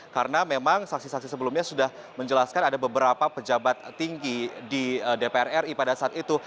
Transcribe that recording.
karena memang saksi saksi sebelumnya sudah menjelaskan ada beberapa pejabat tinggi di dpr ri pada saat itu